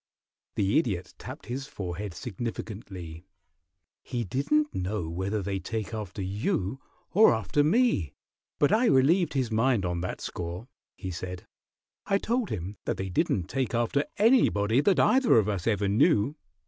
The Idiot tapped his forehead significantly. "He didn't know whether they take after you or after me, but I relieved his mind on that score," he said. "I told him that they didn't take after anybody that either of us ever knew.